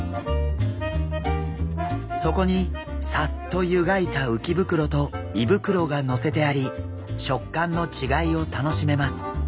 そこにさっと湯がいた鰾と胃袋がのせてあり食感の違いを楽しめます。